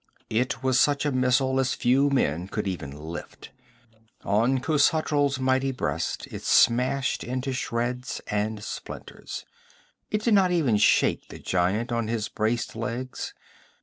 It was such a missile as few men could even lift. On Khosatral's mighty breast it smashed into shreds and splinters. It did not even shake the giant on his braced legs.